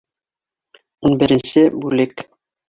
Ун беренсе бүлек